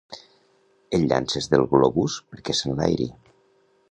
El llances del globus perquè s'enlairi.